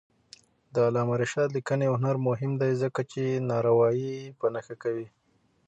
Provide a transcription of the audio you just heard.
د علامه رشاد لیکنی هنر مهم دی ځکه چې ناروايي په نښه کوي.